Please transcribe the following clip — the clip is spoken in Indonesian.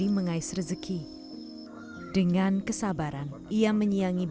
makhluk purmas keras dua ratus pensiun